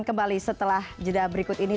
dan kembali setelah jeda berikut ini